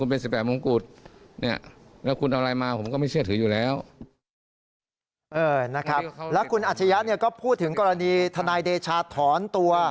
เออนะครับแล้วคุณอาชญะเนี่ยก็พูดถึงกรณีทนายเดชาตถอนตัว